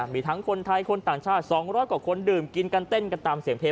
มีทั้งคนไทยคนต่างชาติ๒๐๐กว่าคนดื่มกินกันเต้นกันตามเสียงเพลง